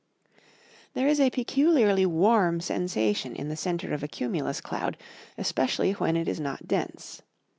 There is a peculiarly warm sensation in the centre of a cumulus cloud, especially when it is not dense.